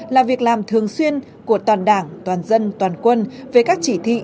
là việc làm thường xuyên của toàn đảng toàn dân toàn quân về các chỉ thị